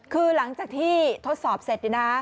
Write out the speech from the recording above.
คือหลังจากที่ทดสอบเสร็จ